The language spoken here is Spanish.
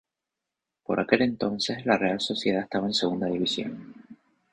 Por aquel entonces la Real Sociedad estaba en Segunda división.